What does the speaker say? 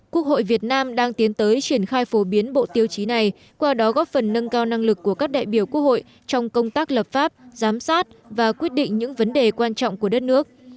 quốc hội việt nam đang tiến tới triển khai phổ biến bộ tiêu chí này qua đó góp phần nâng cao năng lực của các đại biểu quốc hội trong công tác lập pháp giám sát và quyết định những vấn đề quan trọng của đất nước